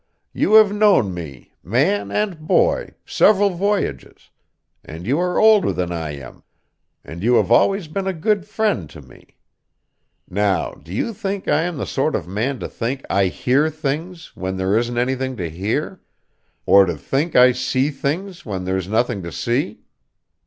You have known me, man and boy, several voyages; and you are older than I am; and you have always been a good friend to me. Now, do you think I am the sort of man to think I hear things where there isn't anything to hear, or to think I see things when there is nothing to see?